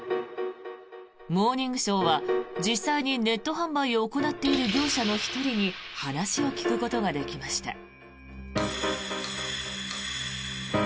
「モーニングショー」は実際にネット販売を行っている業者の１人に話を聞くことができました。